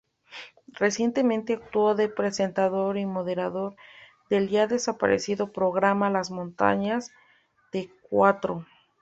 Recientemente actuó de presentador y moderador del ya desaparecido programa "Las mañanas de Cuatro".